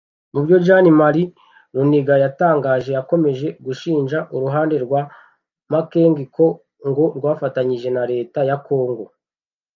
Mu byo Jean Marie Runiga yatangaje yakomeje gushinja uruhande rwa Makenga ko ngo rwafatanije na Leta ya Congo